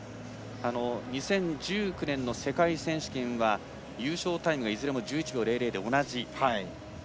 ２０１９年の世界選手権は優勝タイムがいずれも１１秒００で同じ。